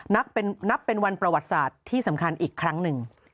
นับเป็นวันประวัติศาสตร์ที่สำคัญอีกครั้งหนึ่ง